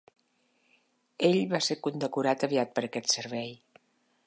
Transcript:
Ell va ser condecorat aviat per aquest servei.